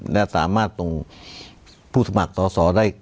และสามารถส่งผู้สมัครสอสอได้